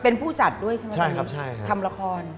เป็นผู้จัดด้วยใช่ไหมตัวนี้ทำแลทรอคล